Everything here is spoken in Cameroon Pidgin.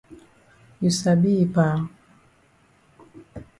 You sabi yi pa.